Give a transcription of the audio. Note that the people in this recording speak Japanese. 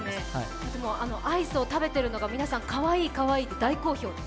アイスを食べているのが皆さん、かわいいかわいいって大好評です。